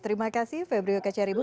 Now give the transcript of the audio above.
terima kasih febriok kcribu